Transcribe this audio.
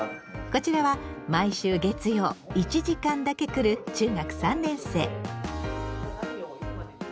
こちらは毎週月曜１時間だけ来る中学３年生。